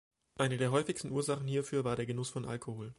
Eine der häufigsten Ursachen hierfür war der Genuss von Alkohol.